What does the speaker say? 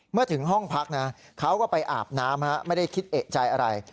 เมื่อถึงห้องพักนะเขาก็ไปอาบน้ำไม่ได้คิดเอกใจอะไร